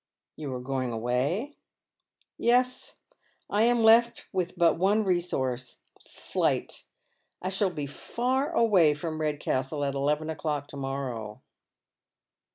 *' You are going away ?"" Yes. I am left with but one resource— flight ! I shall be far away from Redcastle at eleven o'clock to morrow."